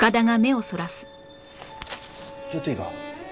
ちょっといいか？